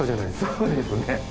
そうですね。